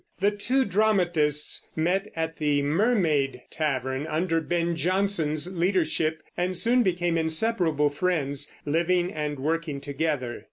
The two dramatists met at the Mermaid tavern under Ben Jonson's leadership and soon became inseparable friends, living and working together.